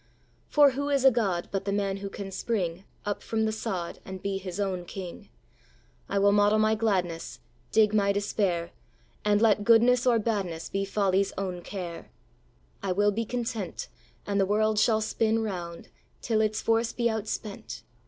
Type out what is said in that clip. For who is a god But the man who can spring Up from the sod, And be his own king? I will model my gladness, Dig my despair And let goodness or badness Be folly's own care! I will be content, And the world shall spin round Till its force be outspent.